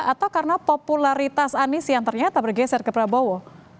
atau karena popularitas anies yang ternyata bergeser ke prabowo